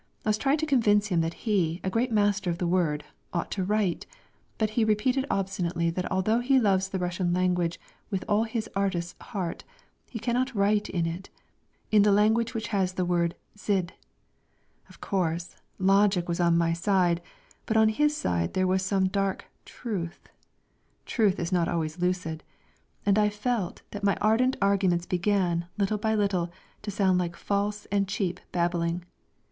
I was trying to convince him that he, a great master of the word, ought to write, but he repeated obstinately that although he loves the Russian language with all his artist's heart, he cannot write in it, in the language which has the word zhid. Of course, logic was on my side, but on his side there was some dark truth truth is not always lucid and I felt, that my ardent arguments began, little by little, to sound like false and cheap babbling.